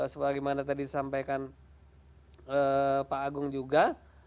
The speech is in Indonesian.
sebagai mana tadi disampaikan pak agung juga